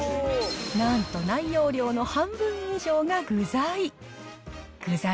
なんと、内容量の半分以上が具材。